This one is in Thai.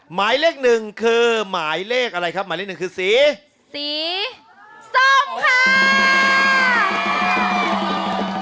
หมายเลขหนึ่งคือหมายเลขอะไรครับหมายเลขหนึ่งคือสีสีส้มค่ะ